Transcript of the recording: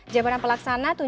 jabatan yang paling kecil